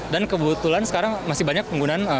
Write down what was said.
dan kebetulan sekarang masih banyak penggunaan